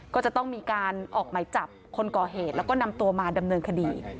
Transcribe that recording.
ก็จะต้องมีการออกไหมจับคนก่อเหตุแล้วก็นำตัวมาดำเนินคดี